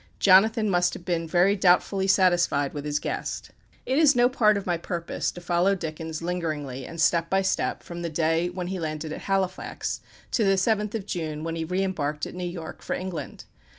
Jonathan must have been very doubtfully satisfied with his guest. It is no part of my purpose to follow Dickens lingeringly, and step by step, from the day when he landed at Halifax, to the 7th of June, when he re embarked at New York for England.